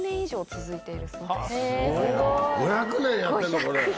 へぇすごい！５００年やってんの⁉これ。